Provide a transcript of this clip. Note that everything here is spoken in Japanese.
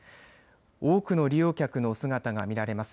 多くの利用客の姿が見られます。